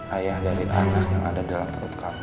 ayah dari anak yang ada dalam perut kamu